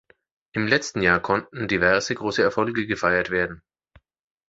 Im letzten Jahr konnten diverse grosse Erfolge gefeiert werden.